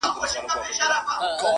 يا دي نه وي يا دي نه سره زامن وي.